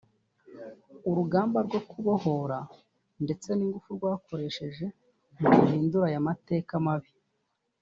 urugamba rwo kwibohora ndetse n’ingufu rwakoresheje ngo ruhindure ayo mateka mabi